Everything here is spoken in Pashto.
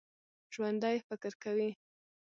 ژوندي فکر کوي